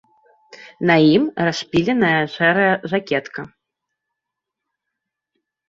На ім расшпіленая шэрая жакетка.